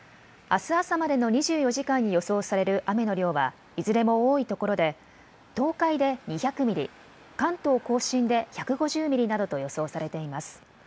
あす朝までの２４時間に予想される雨の量はいずれも多いところで東海で２００ミリ、関東甲信で１５０ミリなどと予想されています。